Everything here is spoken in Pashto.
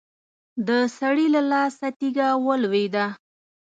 د سړي له لاسه تېږه ولوېده.